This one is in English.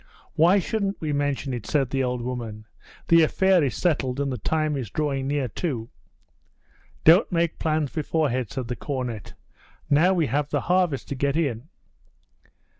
'Why shouldn't we mention it?' said the old woman. 'The affair is settled, and the time is drawing near too.' 'Don't make plans beforehand,' said the cornet. 'Now we have the harvest to get in.'